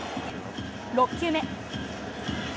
６球目。